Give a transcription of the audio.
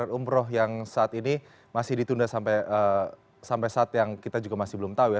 jadi umroh yang saat ini masih ditunda sampai saat yang kita juga masih belum tahu ya